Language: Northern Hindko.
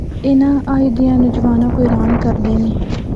اے ناں اجّ دیاں نوجواناں کو حیران کرّدے نے۔